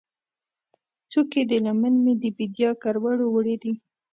څوکې د لمن مې، د بیدیا کروړو ، وړې دي